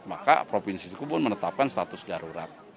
maka provinsi suku pun menetapkan status darurat